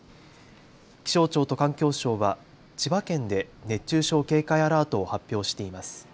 気象庁と環境省は千葉県で熱中症警戒アラートを発表しています。